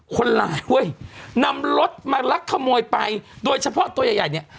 คนร้ายเว้ยนำรถมาลักขโมยไปโดยเฉพาะตัวใหญ่ใหญ่เนี่ย